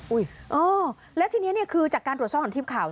อุ๊ยอ้อและทีนี้คือจากการตรวจสอบของทีมข่าว